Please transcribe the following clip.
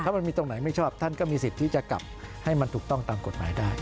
มันมีตรงไหนไม่ชอบท่านก็มีสิทธิ์ที่จะกลับให้มันถูกต้องตามกฎหมายได้